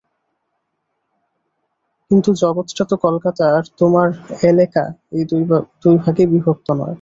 কিন্তু জগৎটা তো কলকাতা আর তোমার এলেকা এই দুই ভাগে বিভক্ত নয়।